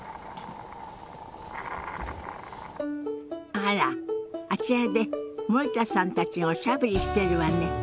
あらあちらで森田さんたちがおしゃべりしてるわね。